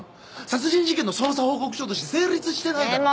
殺人事件の捜査報告書として成立してないだろ。